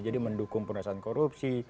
jadi mendukung perasaan korupsi